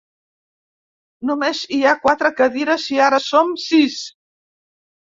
Només hi ha quatre cadires, i ara som sis.